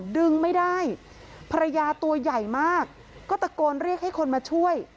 ดึงไม่ได้ภรรยาตัวใหญ่มากก็ตะโกนเรียกให้คนมาช่วย